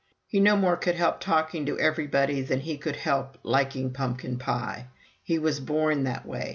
He no more could help talking to everybody than he could help liking pumpkin pie. He was born that way.